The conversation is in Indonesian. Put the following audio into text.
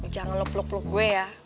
jangan lo peluk peluk gue ya